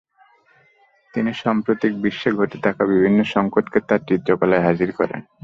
তিনি সাম্প্রতিক বিশ্বে ঘটতে থাকা বিভিন্ন সংকটকে তাঁর চিত্রকলায় হাজির করেন।